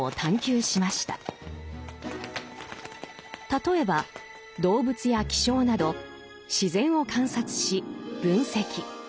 例えば動物や気象など自然を観察し分析。